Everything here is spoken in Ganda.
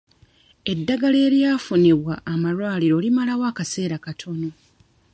Eddagala eryafunibwa amalwaliro limalawo akaseera katono.